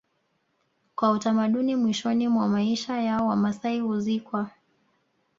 Kwa utamaduni mwishoni mwa maisha yao Wamasai huzikwa